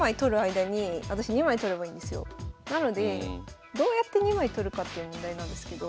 なのでどうやって２枚取るかっていう問題なんですけど。